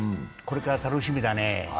これから楽しみだね。